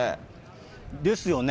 ですよね。